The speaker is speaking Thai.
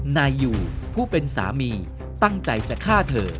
นายอยู่ผู้เป็นสามีตั้งใจจะฆ่าเธอ